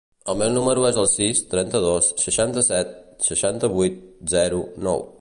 El meu número es el sis, trenta-dos, seixanta-set, seixanta-vuit, zero, nou.